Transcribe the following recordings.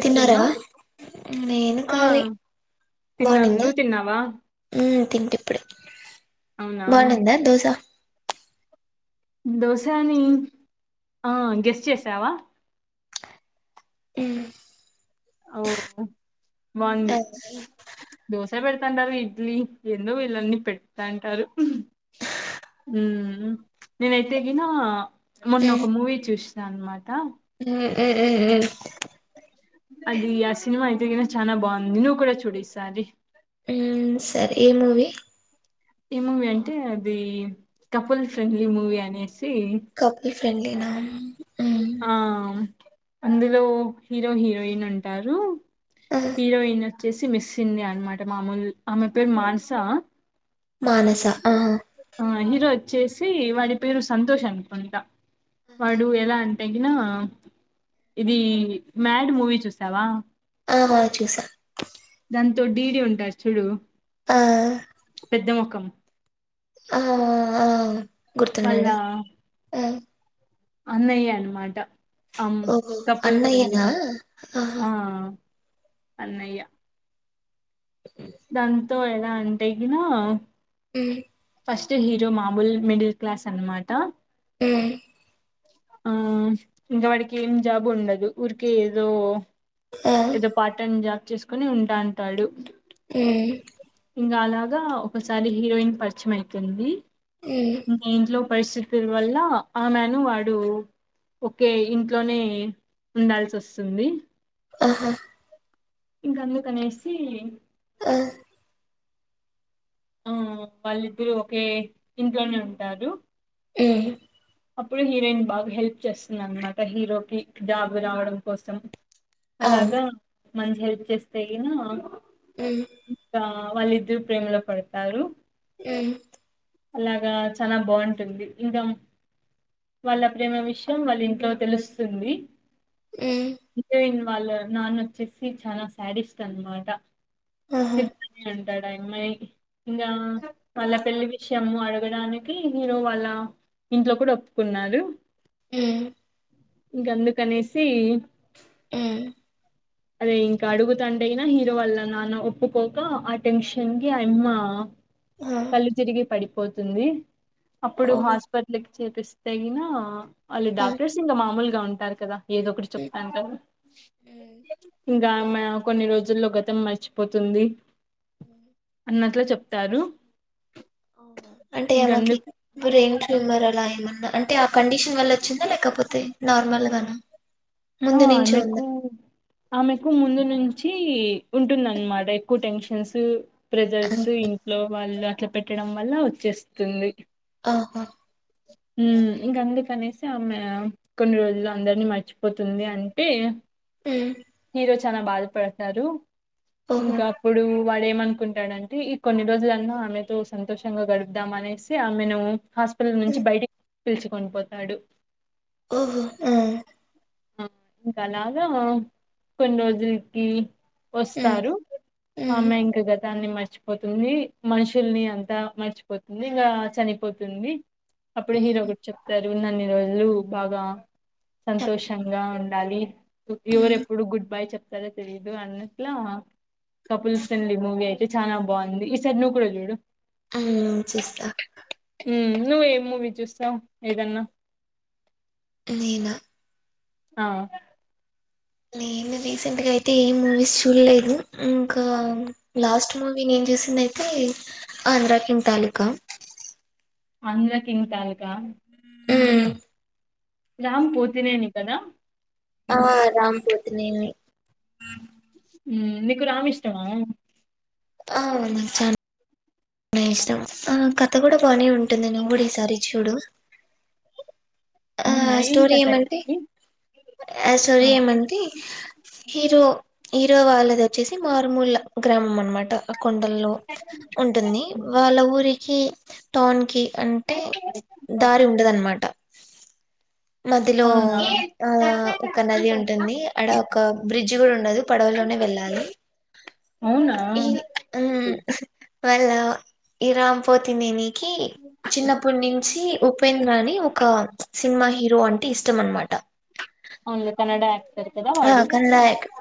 తిన్నారా నేను ఆ కాలి తిన్నాను బాగునిందా నువ్వు తిన్నావా తింటి ఇప్పుడే అవునా బానిందా దోసా దోశాని ఆ గెస్ చేసావా ఉమ్ ఓ బాంది ఆ దోసా పె పెంటారు ఇడ్లీ ఏందో వీళ్ళు అన్ని పెట్టాంటారు నేనైతే ఎగిన మొన్న ఒక మూవీ చూస్త సన్మాట ఊ ఊ ఉమ్ అది ఆ సినిమా అయితే కనా చానా బాగుంది నువ్ కూడా చూడు ఈ సారి ఉమ్ సరే ఏ మూవీ ఏ మూవీ అంటే అది కపుల్ ఫ్రెండ్లీ మూవీ అనేసి కపిల్ ఫ్రెడ్లీ ఇ ఆ అందులో హీరో హీరోయిన్ ఉంటారు ఆ హీరోయిన్ చ్చేసి మిస్సిండియా అనమాట మామూలు ఆమె పేరు మాన్సా మానస ఆ చేసి వాడి పేరు సంతోష్ అనుకుంటా వాడు ఎలా అంత తగిన ఇది మ్యాడ్ మూవీ చూసావా ఆహా చూసా దాంతో ఢీడీ ఉంటారు చూడు ఆ పెద్ద్ద మొక్కం ఆ ఆ ఆ ఆ వాళ్ళ గుర్తున్నాడు ఆ అన్నయ్య అనమాట అం ఓ కపుల్ ఫ్రెండ్లీ అన్నయ్యనా ఆ అన్నయ్య దాంతో ఎలా అంటే గిన హ్మ్ ఫస్ట్ హీరో మామూల్ మిడిల్ క్లాస్ అన్మాట హ్మ్ ఆ ఇంకా వాడికి ఏం జాబు ఉండదు ఊరికే ఏదో ఆ ఏదో పార్ట్టైమ్ జో చేసుకోని ఉంటాంటాడు అ ఇంకా అలాగా ఒకసారి హీరోయిన్ పర్స్ మారీ చ్చమైతుంది మ్మ్ ఇంట్లో పరిస్థితుల వల్ల ఆమెను వాడు ఒకే ఇంట్లోనే ఉండాల్సి వస్తుంది ఆహా ఇంకా అందుకనేసి ఆ ఆ వాళ్ళిద్దరుూ ఒకే ఇంట్లోనే ఉంటారు ఆ అప్పుడు హీరోయిన్ బాగా హెల్ప్ చేస్తుది అనమాట హీరోకి జాబ్ రావడం కోసం ఆ అలాగా మంచి హెల్ప్ చేస్తే గిన అ ఇంకా వాళ్ళిద్దరు ప్రేమలో పడతారు అ అలాగా చాల బాగుంటుంది ఇంకా వాళ్ళ ప్రేమ విషయం వాళ్ళ ఇంట్లో తెలుస్తుంది మ్మ్ జయిను వాళ్ళ నాన్న వచ్చేసి చాలా శాడిస్ట్ అనమాట ఆహా ఇ ఆ అమ్మాయిని ఇకా అల పెళ్లి విషయము అడగడానికి హీరో వాళ ఇంట్లో కూడా ఒప్పుకున్నారు ఆ ఇంక అందుకనిసి ఆ అదే ఇంకా అడుగుతండ అయినా హీరో వాల్ల నాన్న ఒప్పుకోక ఆ టెన్షన్ కి అ అమ్మ హా కళ్లు తిరిగి పడి పోతుంది అప్పుడు ఓహో! హాస్పిటల్ చేపిస్తగిన అది ఆ! డాక్టర్ సింగ్ మామూలు గా ఉంటారు కదా ఏదో ఒకటి హ్మ్. చెప్తాను కదా హ్మ్. ఇంకా ఆమె కొన్ని రోజుల్లో గతం మర్చిపోతుంది హ్మ్. అన్నట్ల చెప్ప తారు. అవునా అంటే ఆమెకి బ్రెయిన్ ట్యూమర్ అలా ఏమన్ న్న అంటే ఆ కండిషన్ వల్ల వచ్చిందా? లేకపోతే నార్మల్ గనా ఆ ఆమెకు ఆమెకు ముందు నుం చి ఉంటుందన్మాట ఎక్కువ టెన్షన్స్ ప్రెజర్స్ ఆహా! ఇంట్లో వాళ్ళు అట్ల పెట్టడం వల్ల వచ్చేస్తుంది. ఆహా! హ్మ్ ఇంకా అందుకనేసి ఆమె కొన్ని రోజులు అందర్నీ మర్చిపోతుంది అంటే మ్ హీరో చాలా బాధపడతారు. ఓహో! ఇంకా అప్పుడూ వాడేమనుకుంటాడంటే ఈ కొన్ని రోజులన్నా ఆమెతో సంతోషంగా గడుపుదాం అనేసి ఆమెను హస్ లోపల్ నుంచి హ్మ్. బయటిక్ పిలుచుకొని పోతాడు. ఓహో! ఆ ఆ ఇంకా అలాగా కొన్ని రోజుల్కి హ్మ్. వస్తారు. ఆ హ్మ్. అమ్మాయి ఇంకా గతాన్ని మర్ ర్చిపోతుంది. మనుషుల్ని అంతా మర్చిపోతుంది ఇంకా చనిపోతుంది. అప్పుడే ఏదో హ్మ్. ఒకటి చెప్తారు. ఉన్నన్ని రోజులు బాగా సం హ్యాపీగా తోషంగా ఉండాలి. ఎవరు హ్మ్. ఎప్పుడు గుడ్ బై చెప్ తారో తెలీదు అన్నట్లా కపుల్ ఫ్రెండ్లీ మూవీ అయితే చాలా బాగుంది. ఈసారి నువ్వు కూడా చూడు. ఆ చూస్తా. హ్మ్ నువ్వేం మూవీ చూస్తవ్ ఏదన్నా నేనా ఆ నేను రీసెంట్గా అయితే ఏం మూవీస్ చూడ్లేదు. ఇంకా లాస్ట్ మూవీ నేను చూసింది అయితే ఆంధ్రాకింగ్ తాలూకా ఆంధ్ర కింగ్ తాలుకా మ్ రామ్ పోతినేని కదా ఆ రామ్ పోతినేని హ్మ్ నీకు రామ్ ఇష్టమా ఆ అవును చానా బానే ఇష్టం ఆ కథ గుడా బాగనే ఉంటుంది. నువ్ గుడా ఈసారి చూడు. ఆ అవునా ఏం స్టోరీ కథ ఏమంటే ఇంతకి ఆ స్టోరీ ఏమంటే హీరో హీరో వాళ్ళది వచ్చేసి అది మారుమూల గ్రామం అనమాట కొండల్లో ఉంటుంది వాళ్ళ ఊరికి టోన్ కి అంటే దారి ఉండదన్నమాట మద్యలో అవునా ఆ ఒక నది ఉంటుంది, అడా ఒక బ్రిడ్జ్ కూడా ఉండదు పడవలోనే వెళ్ళాలి అవునా ఈ మ్ ఉమ్. మళ్ళా ఇ రామపోతుందిని చిన్నప్పుటి నుంచి ఉపేంద్రాన్ని ఒక సినిమా హీరో అంటే ఇష్టం అనమాట అన్లో కన్నడ ఆక్ట్ ఆ కన్నడ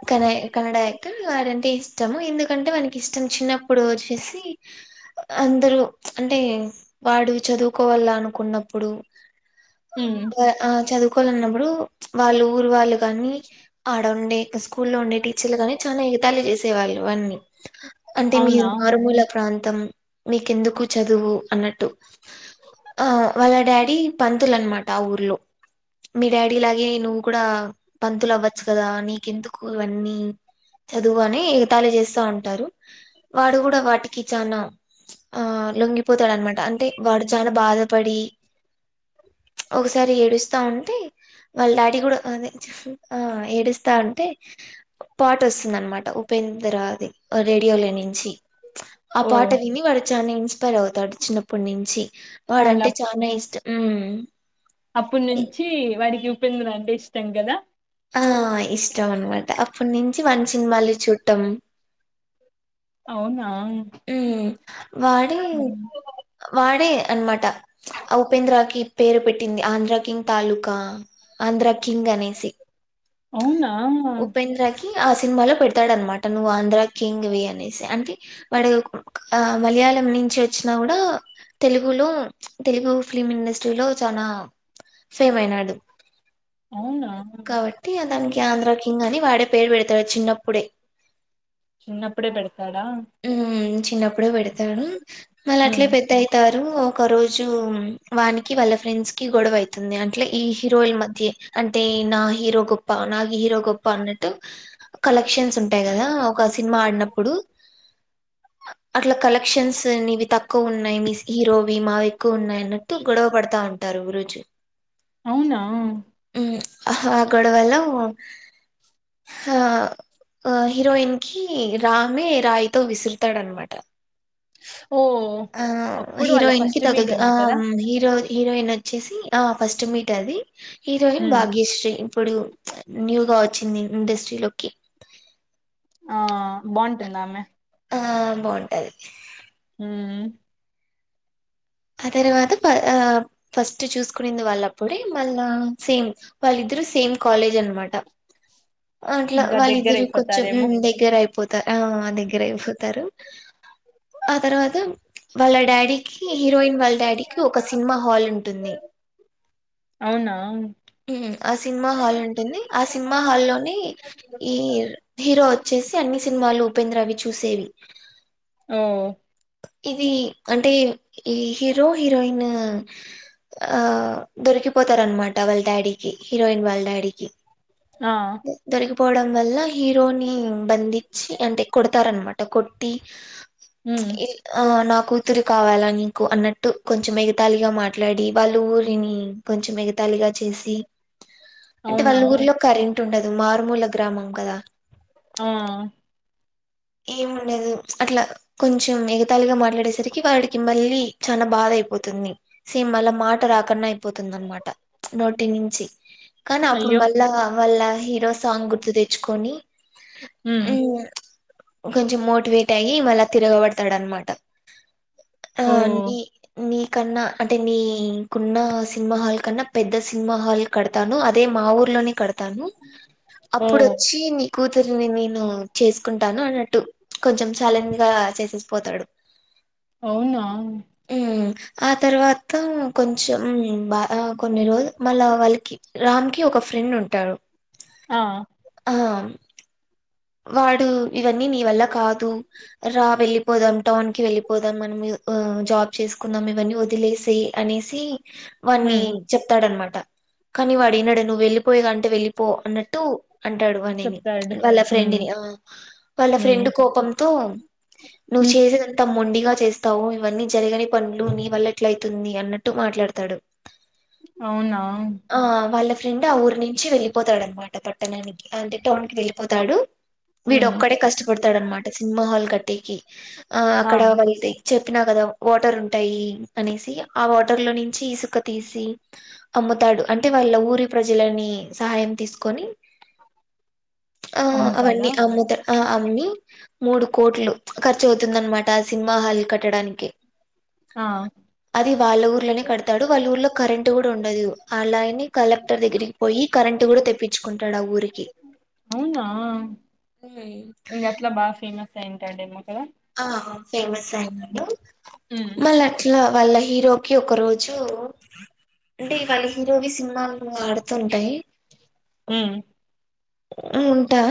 క కన్నడ అేవారంటే ఇష్టము, ఎందుకంటే వానకి ఇష్టం చిన్నప్పుడు వచ్చేసి, అందరూ అంటే వాడు చదువుకోవాల అనుకున్నప్పుడు ఉమ్ ఆ చదువు ఒనుకోలన్నప్పుడు వాళ్ళు ఊరు వాళ్ళు కానీ ఆడ ఉండే స్కూల్లో ఉండే టీచర్లు గానీ చాలా ఎగతాళి చేసేవాళ్ళు అన్నీ అంటే అవునా మీరు మారుమూల ప్రాం [unintelligible] మీకెందుకు చదువు అన్నట్టు, ఆ వాళ్ళ డాడీ పంతులు అన్నమాట ఆ ఊర్లో, మీ డాడీ లాగే నువ్వు కూడా పంతులు అవ్వ చ్చ కదా నీకెందుకు ఇవన్నీ చదువు అని ఎగతాళి చేస్తా ఉంటారు వాడు కూడా వాటికి చనా ఆ లొంగిపోతాడు అనమాట, అంటే వాడు చాలా బాధపడి ఒకసారి ఏడుస్తా ఉంటే వాళ్ళ డాడీ కూడా అదే ఆ ఏడుస్తా అంటే పాట వస్తుంది అనమాట ఉపేంద్రది రేడియో లో నుంచి ఆ ఓ పాట విని వాడు చా ఇన్స్పైర్ అవుతాడు చిన్నప్పటి నుంచి వాడంటే చనా ఇష్టం మ్ అప్పుడు నుంచి వాడికి చెప్పింది అంటే ఇష్టం కదా ఆ ఇష్టం అనమాట అప్పటి నుంచి వంచి సిని సిని మళ్ళి చూట్టం అవునా హమ్ వాడే ఉమ్. వాడే అనమాట ఉపేంద్రకిి పేరు పెట్టింది ఆంధ్ర కింగ్ తాలూకా ఆంధ్ర కింగ్ అనేసి అవునా ఉపేంద్రకి ఆ సినిమాలో పెడతాడ అనమాట నువ్ ఆంధ్ర కింగ్ వే అనేసి అంటే వాడు మలయాళం నుంచి వచ్చినా కూడా తెలుగులో తెలుగు ఫిల్మ్ ఇండస్ట్రీలో చాలా సేమ అయినాడు అవునా కాబట్టి అ దానికి ఆంధ్ర కింగ్ అని వాడే పేరు పెడతాడు చిన్నప్పుడే చిన్నప్పుడే పెడతాడా ఉ చిన్నప్పుడే పెడతారు మళ్ అట్లే ఉమ్ పెద్దవుతారు ఒక రోజు వానికి వాళ్ళ ఫ్రెండ్స్ కి గొడవ అవుతుంది అట్లే ఈ హీరోయిన్ మధ్య అంటే నా హీరో గొప్ప నాకు హీరో గొప్ప అన్నట్టు కలెక్షన్స్ ఉంటాయి కదా ఒక సినిమా ఆడినప్పుడు అట్లా కలెక్షన్స్వి తక్కువ ఉన్నాయి మీ హీరోవి మావి ఎక్కువ ఉన్నాయి అన్నట్టు గొడవ పడతా ఉంటారు రోజు అవునా ఆ గొడవలో ఆ హీరోయిన్ కి రామే రాయితో విసిరు తాడ అనమాట ఓ ఆ అప్పుడు హీరో వాళ్ళ ఇన్కి ఫస్ట్ మీట్ తగల్దు ఆ ఏమో కదా హీరో హీరోయిన్ వచ్చేసి ఆ ఫస్ట్ మీట్ అది హీరోయిన్ ఉమ్ భాగ్యశ్రీ పడు న్యూగా వచ్చింది ఇండస్ట్రీలోకి ఆ బాగుంటుందా ఆమె బాగుంటుంది హ ఆ తర్వాత ఫస్ట్ చూస్ కుంది వాళ్ళప్పుడే మళ్ళా సేమ్ వాళ్ళద్దరు సేమ్ కాలేజ్ అనమాట అట్ ఇంకా దగ్గర వాళ్ళిద్దరు కొంచెం అయిపోతారేమో దగ్గర అయిపో పోత ఆ ఆ దగ్గర అయిపోతారు ఆ తర్వాత వాళ్ళ డాడీ హీరోయిన్ వాళ్ళ డాడీకి ఒక సినిమా హాల్ ఉంటుంది అవునా ఆ సినిమా హాల్ ఉంటుంది ఆ సినిమా హా లోని ఈ హీరో వచ్చేసి అన్ని సినిమాలు ఉపేంద్ర అవి చూసేవి ఓ ఇది అంటే ఈ హీరో హీరోయిన్ ఆ దొరికిపోతారునమాట వల్ డాడికి హీరోయిన్ వాళ్ల్ డాడికి ఆ పోవడం వల్ల హీరోని బంది చి అంటే కొడతనమాట కొటి హ్మ్ ఆ నా కూతురు కావాలా నీకు అన్నట్టు కొంచెం ఏగతాలిగా మాట్లాడి వాళ్ళ ఊరిని కొంచెం ఎగత్ తలిగా చేసి అంటే అవునా వాళ్ళ ఊరిలో కరెంట్ ఉండదు మారుమూల గ్రామం గదా ఆ ఏముండదు అట్లా కొంచెం ఎగతాలిగా మాట్లాడేసరికి వాడికి మళ్ళీ చాల బాధ అయిపోతుంది సేమ్ అళ మాట రాకన్న అయిపోతుంది అన్ మాట నోటి నుంచి కానీ అప్పుడు అయ్యో మళ్ళా మళ్ళా హీరో సాంగ్ గుర్తు తెచ్చుకొని హ్మ్ అన్నా కొంచెం మోటివేట్ అయ్యి మళ్ళా తిరగబడతాడ అనమాట ఆ ఓ నీ నీ కన్నా అంటే నీకున్న సినిమా హాల్ కన్నా పెద్ద సినిమా హాల్ కడతాను అదే మా ఊర్ లోనే కడతా తాను ఓ అప్పుడు వచ్చి కూతురిని నేను చేసు కుంటాను అన్నట్టు కొంచెం ఛాలెంజ్ గా చేసేసి పోతాడు అవునా మ్మ్ ఆ తర్వాత కొంచెం బా కొన్ని రోజులు మళ్ళా వాళ్ళకి రామ్ ఒక ఫ్రెండ్ ఉంటారు ఆ ఆ వాడు ఇవన్నీ నీ వల్ల కాదు రా వెళ్ళిపోదాం టౌన్ కి వెళ్ళిపోదాం మనం ఆ జాబ్ చేసుకుందాం ఇవన్నీ వదిలేస అనేసి వాణి హ్మ్ చెప్తాడనమాట ట కానీ వాడినడు నువ్వు వెళ్లిపోయగా అంటే వెళ్ళి పో అన్నట్టు అంటాడు అనేని చెప్తాడు వాళ్ళ హ్మ్ ఫ్రెండిని వాళ్ళ హ్మ్ ఫ్రెండ్ కోపం తో నువ్వు హ్మ్ చేసేది అంతా మొండి గా చేస్తావు ఇవన్నీ జరగని పనులు నీ వల్ల ఎట్ల అయితుంది అన్నట్టు మాట్లాడతాడు అవునా ఆ వాళ్ళ ఫ్రెండ్ ఆ ఊరు నుంచి వెళ్ళలిపోతా అనమాట పట్టణానికి అంటే టౌన్ కి వెళ్ళిపోతాడు వీడ హ్మ్ ఒక్కడే కష్టపడతాడనమాట సినిమా హాల్ కట్టి ఈ ఆ అక్కడ వెళ్త చెప్పినా కదా వాటర్ ఉంటాయి అనేసి ఆ వాటర్ లో నుంచి ఇసుక తీసి అమ్ముతాడు అంటే వాళ్ళ ఊరి ప్రజలని సహాయం తీసుకొని ఆ అమ అవన్నీ అమ్ముతాడు అ అమ్మి మూడు కోట్లు ఖర్చు అవుతుందనమాట సినిమా హాల్ కట్టడానికి ఆ అది వాళ్ళ ఊర్లోనే కడతాడు వాళ్ళ ఊర్లో కరెంటు కూడా ఉండదు అలాని కలెక్టర్ దగ్గరికి పోయి కరెంటు కూడా తెప్పించుకుంటాడు ఆ ఊరికి ఉ ఇంగ అట్లా బా ఫేమస్ అయింటాడు ఏమో కదా ఆ ఫేమస్ హ్మ్ మళ్ళ అట్లా వాళ్ళ హీరోకి ఒక రోజు అంటే వాళ్ళ హీరోవి సినిమా వాడుతుంటాయ్ హ్మ్ ఆ ఉంటా